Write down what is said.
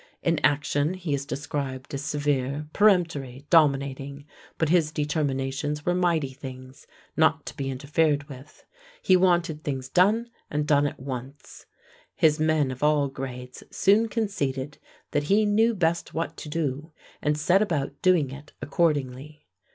In action he is described as severe, peremptory, dominating, but his determinations were mighty things, not to be interfered with. He wanted things done and done at once. His men of all grades soon conceded that he knew best what to do, and set about doing it accordingly.